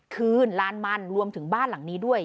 คืนลานมันรวมถึงบ้านหลังนี้ด้วย